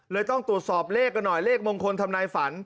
ต้องตรวจสอบเลขกันหน่อยเลขมงคลทำนายฝัน